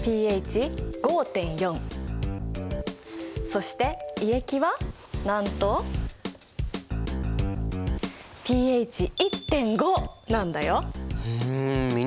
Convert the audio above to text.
そして胃液はなんとｐＨ１．５なんだよ。